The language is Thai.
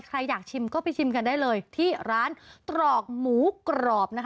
ใครอยากชิมก็ไปชิมกันได้เลยที่ร้านตรอกหมูกรอบนะคะ